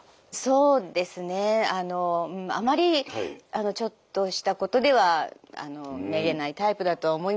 そうですねあまりちょっとしたことではめげないタイプだとは思いますけれども。